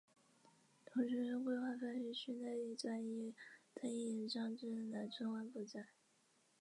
同时规划番禺区内一段亦得以延长至南村万博站。